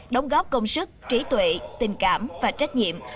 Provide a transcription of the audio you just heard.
đóng góp công sức trí tuệ tình cảm và trách nhiệm